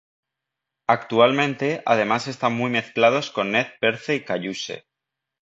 Actualmente, además, están muy mezclados con nez perce y cayuse.